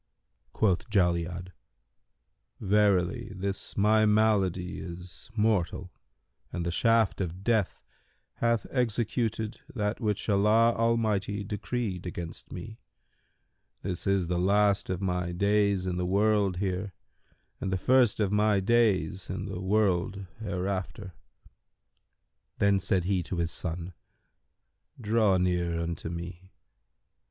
Quoth Jali'ad, "Verily, this my malady is mortal and the shaft of death hath executed that which Allah Almighty decreed against me: this is the last of my days in the world here and the first of my days in the world hereafter." Then said he to his son, "Draw near unto me."